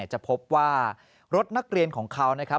จะพบว่ารถนักเรียนของเขา